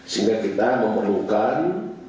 sehingga kita memerlukan